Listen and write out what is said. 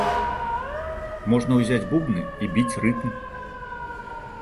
Можна ўзяць бубны і біць рытм.